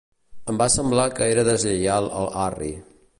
Em va semblar que era deslleial al Harry.